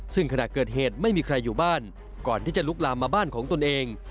ซึ่งขณะเกิดเหตุไม่มีใครอยู่บ้านก่อนที่จะลุกลามมาบ้านของตนเอง